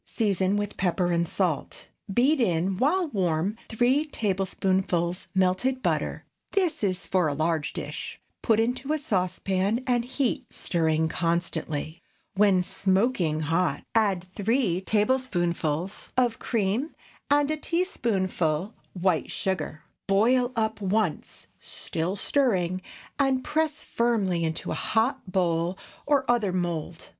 Season with pepper and salt. Beat in, while warm, three tablespoonfuls melted butter (this is for a large dish). Put into a saucepan and heat, stirring constantly. When smoking hot, add three tablespoonfuls of cream and a teaspoonful white sugar. Boil up once, still stirring, and press firmly into a hot bowl or other mould.